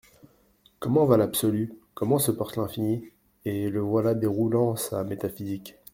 Comment va l'Absolu, comment se porte l'Infini ? Et le voilà déroulant sa métaphysique.